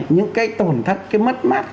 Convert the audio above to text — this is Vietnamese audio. những cái tổn thất cái mất mát